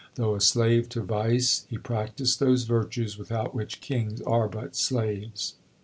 Though a slave to vice, He practised those virtues Without which kings are but slaves."